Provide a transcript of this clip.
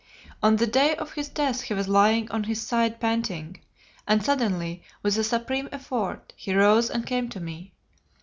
On the day of his death he was lying on his side panting, and suddenly, with a supreme effort, he rose and came to me.